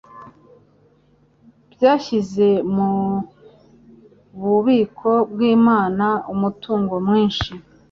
byashyize mu bubiko bw'Imana umutungo mwinshi